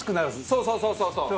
そうそうそうそうそう。